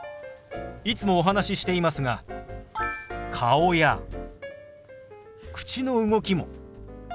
いつもお話ししていますが顔や口の動きも手話の一部ですよ。